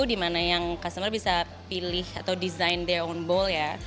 dimana yang customer bisa pilih atau design their own bowl ya